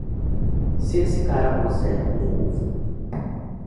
Se esse cara puser um ovo.